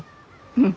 うん。